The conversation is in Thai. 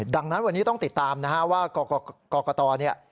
ดังนั้นวันนี้ต้องติดตามนะฮะว่ากรกตเนี่ย